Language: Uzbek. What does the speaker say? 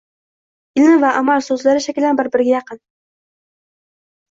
“Ilm” va “amal” so‘zlari shaklan bir-biriga yaqin.